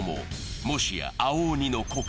もしや、青鬼の子か？